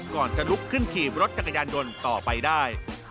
ก่อนจะลุกขึ้นถีบรถจักรยานยนต์ต่อไปได้